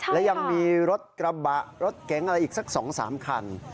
และยังมีรถกระบะรถเก๋งอะไรอีกสัก๒๓คัน